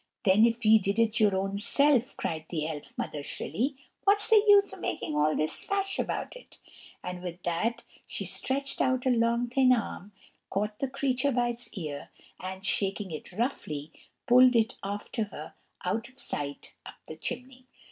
"Then if ye did it your own self," cried the elf mother shrilly, "what's the use o' making all this fash about it?" and with that she stretched out a long thin arm, and caught the creature by its ear, and, shaking it roughly, pulled it after her, out of sight up the chimney.